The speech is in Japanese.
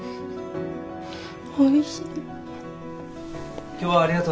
おいしい。